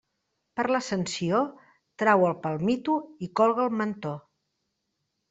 Per l'Ascensió, trau el palmito i colga el mantó.